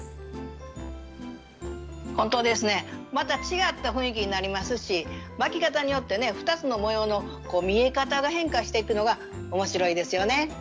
本当ですねまた違った雰囲気になりますし巻き方によってね２つの模様の見え方が変化していくのが面白いですよね。